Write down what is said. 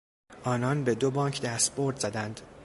آنان به دو بانک دستبرد زدند.